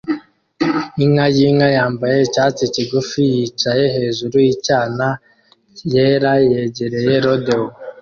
Inka yinka yambaye icyatsi kigufi yicaye hejuru yinyana yera yegereye rodeo